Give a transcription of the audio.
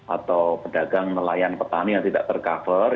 atau pedagang nelayan petani yang tidak tercover